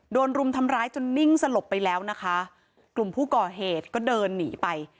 รุมทำร้ายจนนิ่งสลบไปแล้วนะคะกลุ่มผู้ก่อเหตุก็เดินหนีไป